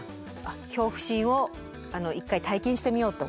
恐怖心を一回体験してみようと。